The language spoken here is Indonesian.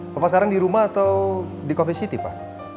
papa sekarang di rumah atau di coffey city pak